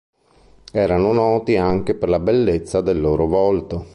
Erano noti anche per la bellezza del loro volto.